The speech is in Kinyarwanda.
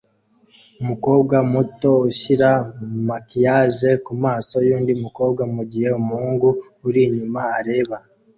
Umukobwa muto ushyira maquillage kumaso yundi mukobwa mugihe umuhungu uri inyuma areba